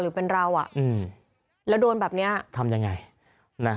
หรือเป็นเราอ่ะอืมแล้วโดนแบบนี้อ่ะทำยังเนี่ยอ่า